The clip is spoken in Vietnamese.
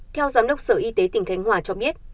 theo giám đốc sở y tế tỉnh khánh hòa cho biết